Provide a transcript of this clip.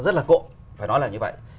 nó rất là cộng phải nói là như vậy